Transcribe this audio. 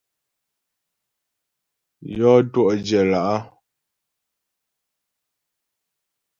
Yɔ́ twɔ̂'dyə̌ lá'.